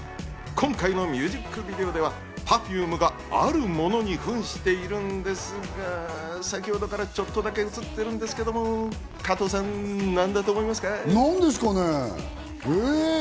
今回のミュージックビデオでは、Ｐｅｒｆｕｍｅがあるものに扮しているんですが、先程からちょっとだけ映ってるんですけれども、なんですかね？